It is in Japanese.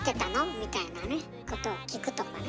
みたいなねことを聞くとかね。